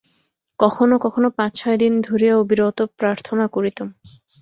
কখনও কখনও পাঁচ ছয় দিন ধরিয়া অবিরত প্রার্থনা করিতাম।